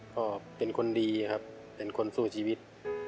ก็เป็นคนดีครับเป็นคนสู้ชีวิต